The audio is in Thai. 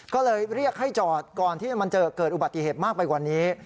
ก็เลยเรียกให้จอดก่อนที่มันจะเกิดอุบัติเหตุมากไปกว่านี้